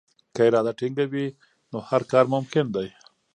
که اراده ټینګه وي نو هر کار ممکن دی.